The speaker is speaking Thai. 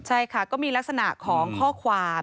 ใช่ค่ะก็มีลักษณะของข้อความ